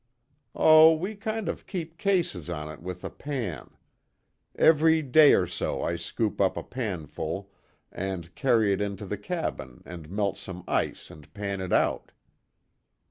"Oh, we kind of keep cases on it with the pan. Every day or so I scoop up a panful and carry it into the cabin and melt some ice and pan it out."